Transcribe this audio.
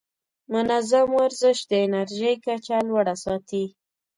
منظم ورزش د انرژۍ کچه لوړه ساتي.